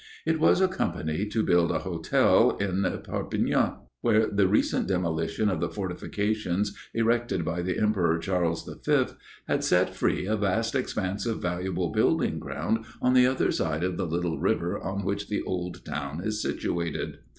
It was a company to build an hotel in Perpignan, where the recent demolition of the fortifications erected by the Emperor Charles V. had set free a vast expanse of valuable building ground on the other side of the little river on which the old town is situated.